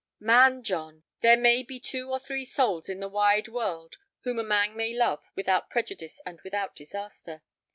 "Man John, there may be two or three souls in the wide world whom a man may love without prejudice and without disaster.